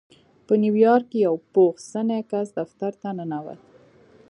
په نيويارک کې يو پوخ سنی کس دفتر ته ننوت.